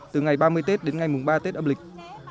từ ngày ba mươi tết đến ngày mùng ba tết âm lịch